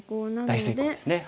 大成功ですね。